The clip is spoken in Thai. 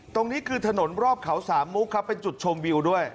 ตรงนี้คือถนนรอบเขาสามมุกครับเป็นจุดชมวิวด้วย